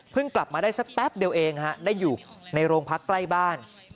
กลับมาได้สักแป๊บเดียวเองฮะได้อยู่ในโรงพักใกล้บ้าน